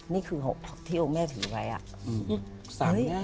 นี่คือ๖ที่องค์แม่ถือไว้